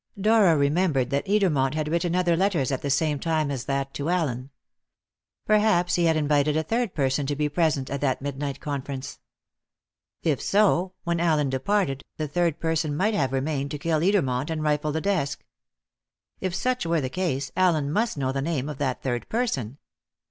Dora remembered that Edermont had written other letters at the same time as that to Allen. Perhaps he had invited a third person to be present at that midnight conference. If so, when Allen departed, the third person might have remained to kill Edermont and rifle the desk. If such were the case, Allen must know the name of that third person.